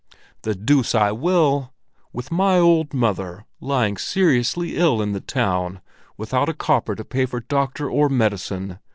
"The deuce I will, with my old mother lying seriously ill in the town, without a copper to pay for doctor or medicine!